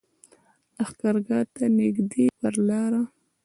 لښکرګاه ته نږدې پر لاره.